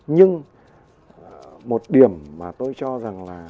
nhưng một điểm mà tôi cho rằng là